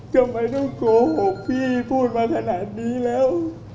ทำไมต้องโกหกพี่พูดมาขนาดนี้แล้ว